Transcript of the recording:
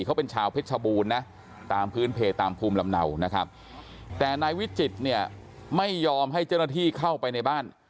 เขาเป็นชาวเพชรชบูรณ์นะตามพื้นเพจตามภูมิลำเนานะครับแต่นายวิจิตรเนี่ยไม่ยอมให้เจ้าหน้าที่เข้าไปในบ้าน